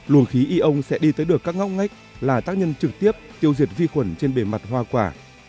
luồng khí ion sẽ đi tới được các ngóc ngách là tác nhân trực tiếp tiêu diệt vi khuẩn trên bề mặt hoa quả